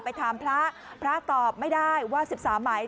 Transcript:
ไปถามพระพระตอบไม่ได้ว่า๑๓ไหม